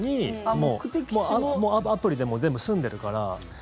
もうアプリで全部済んでるから。